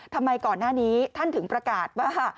ทำไมก่อนหน้านี้ท่านถึงประกาศว่า